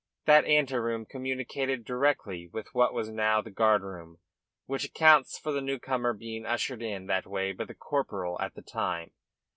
That anteroom communicated directly with what was now the guardroom, which accounts for the new comer being ushered in that way by the corporal at the time.